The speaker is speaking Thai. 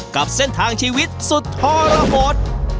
กับเส้นทางชีวิตสุดทรหด